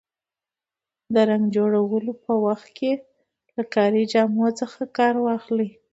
د رنګ جوړولو په وخت کې له کاري جامو څخه کار واخلئ.